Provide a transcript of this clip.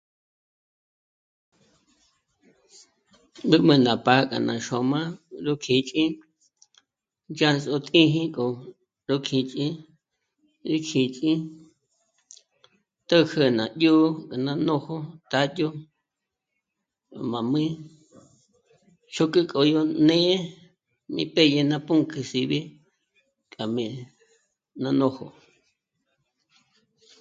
Mǘ'mü ná pâ'a k'a ná xôm'a ró kîch'i dyá s'o' t'íji k'o ró kîch'i, rí xíts'i t'ä̀jü ná dyó'o ngó ná nójo tádyo 'o gó má jmī́'ī xók'ü k'o yó né'e mí pédye ná pǔnk'ü síbi k'a jmé' ná nójo